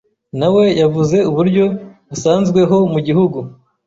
na we yavuze uburyo busanzweho mu gihugu,